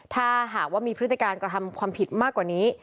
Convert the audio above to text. ถ้าหากว่ามีพฤติการกระทำความผิดมากกว่านี้